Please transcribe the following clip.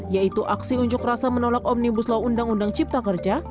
yaitu aksi unjuk rasa menolak omnibus law undang undang cipta kerja